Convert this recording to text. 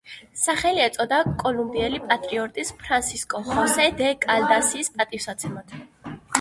სახელი ეწოდა კოლუმბიელი პატრიოტის ფრანსისკო ხოსე დე კალდასის პატივსაცემად.